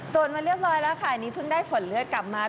มาเรียบร้อยแล้วค่ะอันนี้เพิ่งได้ผลเลือดกลับมา